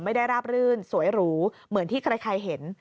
ราบรื่นสวยหรูเหมือนที่ใครเห็น